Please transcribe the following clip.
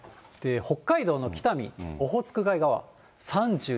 北海道の北見、オホーツク海側、３２、３度。